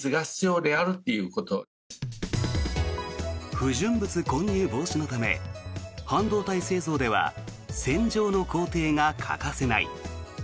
不純物混入防止のため半導体製造では洗浄の工程が欠かせない。